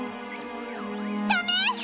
ダメ！